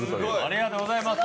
ありがとうございます。